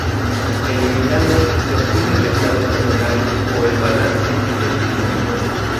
Eliminando se obtiene el estado estacionario o el "balance en equilibrio".